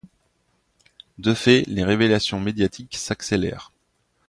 De fait, les révélations médiatiques s'accélèrent.